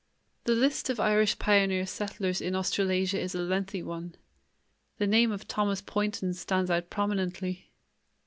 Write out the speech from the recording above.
The list of Irish pioneer settlers in Australasia is a lengthy one. The name of Thomas Poynton stands out prominently.